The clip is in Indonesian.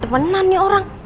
temenan ya orang